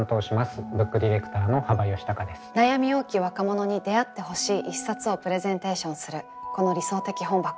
悩み多き若者に出会ってほしい一冊をプレゼンテーションするこの「理想的本箱」。